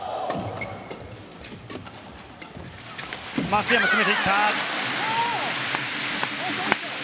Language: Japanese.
松山、詰めていった！